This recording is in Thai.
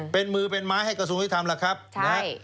เป็นมือเป็นไม้ให้กระทรวงยุทธรรมล่ะครับ